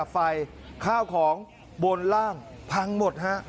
ไฟข้าวของบนล่างพังหมดฮะ